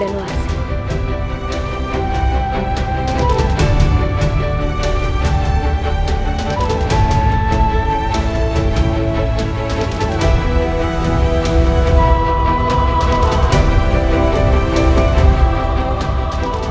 dia mencari monenges untukmu